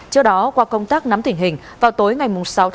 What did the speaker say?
trước đó qua công tác nắm tỉnh hình vào tối ngày sáu